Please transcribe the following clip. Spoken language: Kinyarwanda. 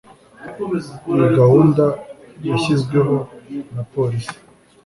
Iyi gahunda yashyizweho na Polisi